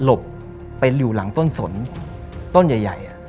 ไปอยู่หลังต้นสนต้นใหญ่